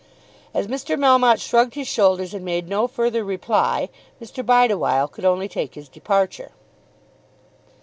As Mr. Melmotte shrugged his shoulders and made no further reply, Mr. Bideawhile could only take his departure.